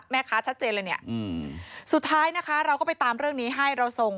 ชัดเจนเลยเนี่ยสุดท้ายนะคะเราก็ไปตามเรื่องนี้ให้เราส่ง